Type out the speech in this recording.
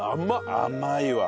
甘いわ。